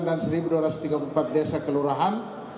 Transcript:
dan seribu dua ratus tiga puluh empat desa kelurahan